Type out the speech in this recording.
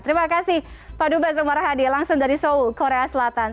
terima kasih pak duba subarahadi langsung dari seoul korea selatan